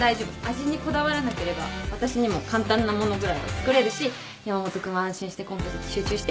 味にこだわらなければ私にも簡単な物ぐらいは作れるし山本君は安心してコンペに集中して。